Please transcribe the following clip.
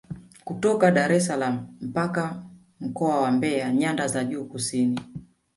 Kutokea Daressalaam mpaka mkoani Mbeya nyanda za juu kusini